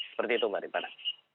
seperti itu mbak ripada